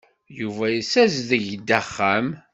Yuba yessazdeg-d axxam.